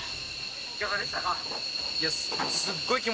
いかがでしたか？